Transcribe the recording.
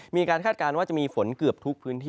คาดการณ์ว่าจะมีฝนเกือบทุกพื้นที่